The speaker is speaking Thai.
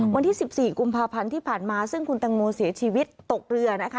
วันที่๑๔กุมภาพันธ์ที่ผ่านมาซึ่งคุณตังโมเสียชีวิตตกเรือนะคะ